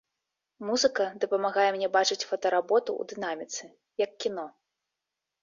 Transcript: Музыка дапамагае мне бачыць фотаработу ў дынаміцы, як кіно!